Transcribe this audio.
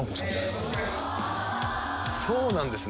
そうなんですね。